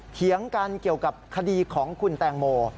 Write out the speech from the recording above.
เถียงกันเกี่ยวกับคดีของคุณแตงโม